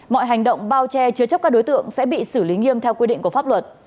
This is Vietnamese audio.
mọi hành động bao che chứa chấp các đối tượng sẽ bị xử lý nghiêm theo quy định của pháp luật